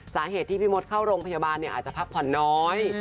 สาเหตุที่พี่มดเข้าโรงพยาบาลอาจจะพักผ่อนน้อย